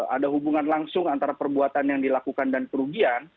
ada hubungan langsung antara perbuatan yang dilakukan dan kerugian